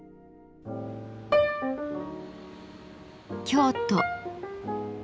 京都。